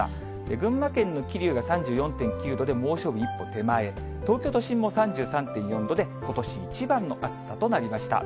群馬県の桐生が３４．９度で、猛暑日一歩手前、東京都心も３３．４度で、ことし一番の暑さとなりました。